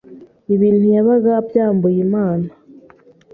Ibi ntiyabaga abyambuye Imana.